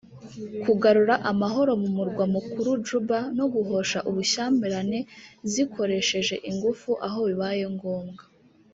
kugarura amahoro mu murwa mukuru Juba no guhosha ubushyamirane zikoresheje ingufu aho bibaye ngombwa